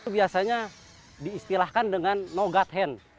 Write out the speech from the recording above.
biasanya diistilahkan dengan no god hand